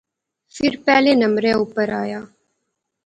فیر پہلے نمبرے اوپر آیا